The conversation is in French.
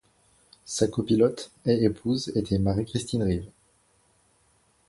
Sa copilote, et épouse, était Marie-Christine Rives.